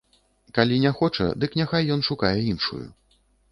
Калі не хоча, дык няхай ён шукае іншую.